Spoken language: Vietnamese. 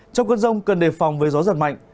trong cơn rông cần đề phòng với gió giật mạnh